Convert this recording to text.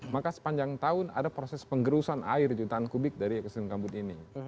maka sepanjang tahun ada proses penggerusan air jutaan kubik dari ekosistem gambut ini